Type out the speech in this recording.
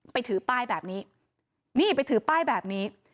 ถือป้ายแบบนี้นี่ไปถือป้ายแบบนี้